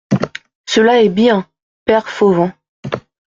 Cela est bien, père Fauvent.